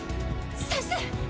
先生？